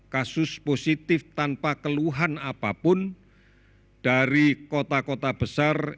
kasus positif tanpa keluhan apapun dari kota kota besar